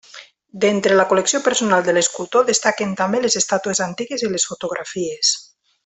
D'entre la col·lecció personal de l'escultor destaquen també les estàtues antigues i les fotografies.